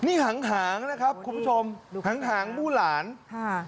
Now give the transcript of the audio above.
นี่หางหางนะครับคุณผู้ชมหางหางมู่หลานค่ะ